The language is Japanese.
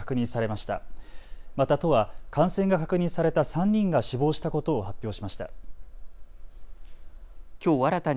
また都は感染が確認された３人が死亡したことを発表しました。